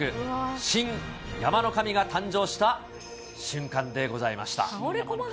新山の神が誕生した瞬間でございました。